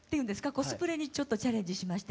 コスプレにちょっとチャレンジしまして。